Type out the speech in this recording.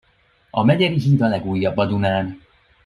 A Megyeri híd a legújabb a Dunán.